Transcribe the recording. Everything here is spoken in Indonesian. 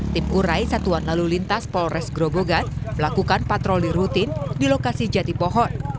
tim urai satuan lalu lintas polres grobogan melakukan patroli rutin di lokasi jati pohon